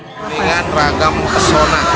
kuningan ragam pesona